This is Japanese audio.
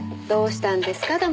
どうしたんですか？